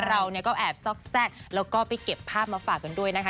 เราก็แอบซอกแทรกแล้วก็ไปเก็บภาพมาฝากกันด้วยนะคะ